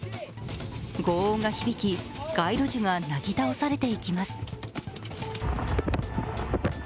ごう音が響き街路樹がなぎ倒されていきます。